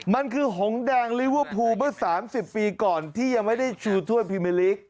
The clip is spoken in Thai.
มันคือหงแดงลิเวอร์พูลเมื่อ๓๐ปีก่อนที่ยังไม่ได้ชูถ้วยพรีเมอร์ลิก